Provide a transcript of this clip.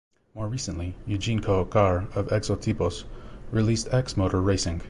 More recently, Eugene Cojocar of Exotypos released X Motor Racing.